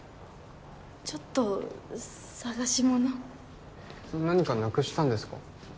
ちょっと捜し物何かなくしたんですか？